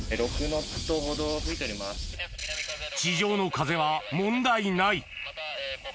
地上の風は問題ない